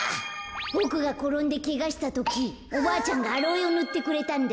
ボクがころんでけがしたときおばあちゃんがアロエをぬってくれたんだ。